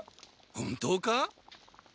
本当か？